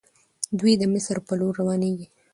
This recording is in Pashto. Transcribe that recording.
دوی د مصر په لور روانيږي.